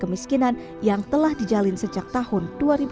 pemiskinan yang telah dijalin sejak tahun dua ribu enam belas